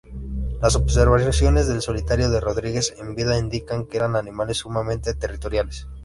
Las observaciones del solitario de Rodrigues en vida indican que eran animales sumamente territoriales.